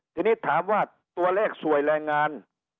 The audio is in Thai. ทีนี้ถามว่าตัวเลขสวยแรงงาน